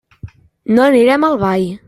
No anirem al ball.